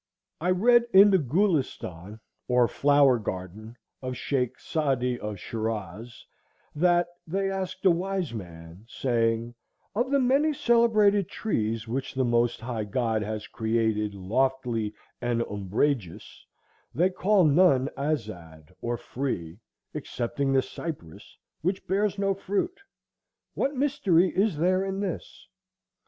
I read in the Gulistan, or Flower Garden, of Sheik Sadi of Shiraz, that "They asked a wise man, saying; Of the many celebrated trees which the Most High God has created lofty and umbrageous, they call none azad, or free, excepting the cypress, which bears no fruit; what mystery is there in this?